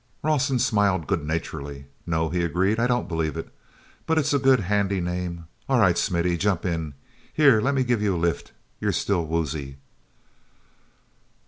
Rawson smiled good naturedly. "No," he agreed, "I don't believe it. But it's a good, handy name. All right, Smithy, jump in! Here, let me give you a lift; you're still woozy."